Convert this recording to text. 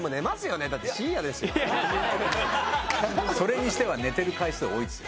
まあでもそれにしては寝てる回数多いですよ。